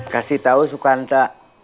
kasih tau suka hantar